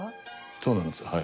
そうなんですよはい。